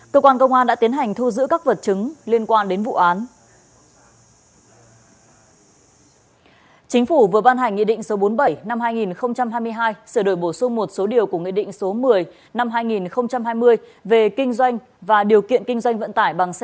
cơ quan công an đã tiến hành thu giữ các vật chứng liên quan đến vụ án